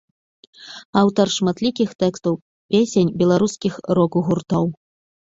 Аўтар шматлікіх тэкстаў песень беларускіх рок-гуртоў.